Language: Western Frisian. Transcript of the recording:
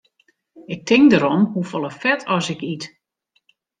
Ik tink derom hoefolle fet as ik yt.